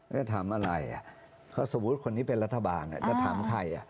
แล้วถามอะไรเขาสมมุติคนนี้เป็นรัฐบาลจะถามใคร